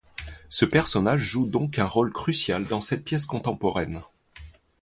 Ce personnage joue donc un rôle crucial dans cette pièce contemporaine.